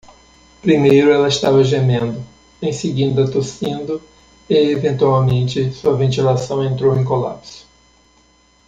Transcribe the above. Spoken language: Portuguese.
Primeiro ela estava gemendo?, em seguida, tossindo e, eventualmente, sua ventilação entrou em colapso.